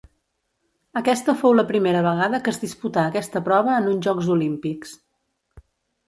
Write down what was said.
Aquesta fou la primera vegada que es disputà aquesta prova en uns Jocs Olímpics.